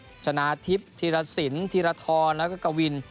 ว่าจะมีพี่พิพีปธิระสินธิระทรแล้วก็กะวิน